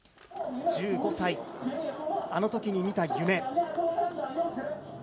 １５歳、あのときに見た夢。